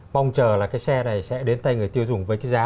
mong chờ là cái xe này sẽ đến tay người tiêu dùng với cái giá